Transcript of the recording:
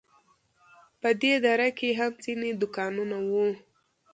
په دې دره کې هم ځینې دوکانونه وو.